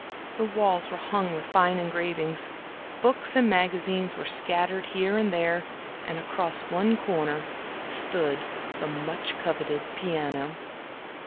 The walls were hung with fine engravings, books and magazines were scattered here and there. Across one corner stood the much coveted piano.